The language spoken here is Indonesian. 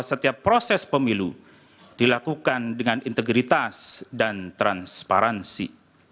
setiap proses pemilu dilakukan dengan integritas dan transparansi